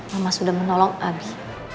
mama sudah menolong abi